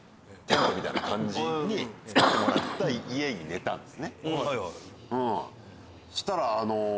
テントみたいな感じに造ってもらった家に寝たんですね。